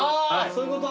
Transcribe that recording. そういうこと？